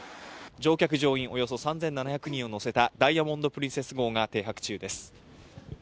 乗客乗員およそ３７００人を乗せた「ダイヤモンド・プリンセス」号が停泊中です。